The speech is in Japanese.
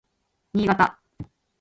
Niigata